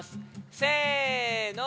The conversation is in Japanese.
せの！